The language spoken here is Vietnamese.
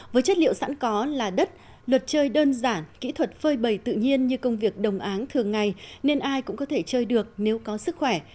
với chất liệu sẵn có là đất luật chơi đơn giản kỹ thuật phơi bầy tự nhiên như công việc đồng áng thường ngày nên ai cũng có thể chơi được nếu có sức khỏe